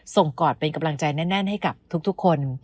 กอดเป็นกำลังใจแน่นให้กับทุกคน